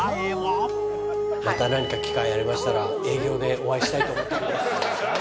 また何か機会ありましたら営業でお会いしたいと思っております。